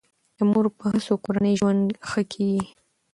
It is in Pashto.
د مور په هڅو کورنی ژوند ښه کیږي.